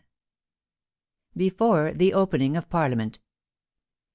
BEFORE THE OPENING OF PARLIAMENT.